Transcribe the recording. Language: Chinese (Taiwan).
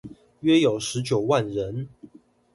約有十九萬人